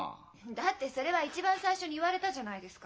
だってそれは一番最初に言われたじゃないですか。